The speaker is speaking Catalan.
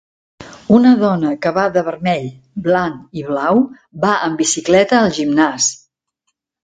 Una dona que va de vermell, blanc i blau, va amb bicicleta al gimnàs.